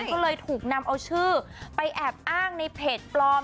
ก็เลยถูกนำเอาชื่อไปแอบอ้างในเพจปลอม